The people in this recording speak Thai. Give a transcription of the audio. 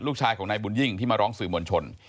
ลูกชายของนายบุญยิ่งที่มาร้องสื่อมวลชน